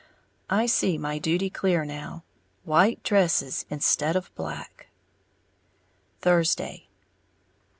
I see my duty clear now, white dresses instead of black. _Thursday.